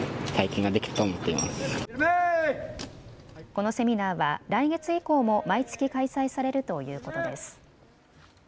このセミナーは来月以降も毎月、開催されるということです。